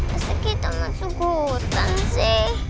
masa kita masuk hutan sih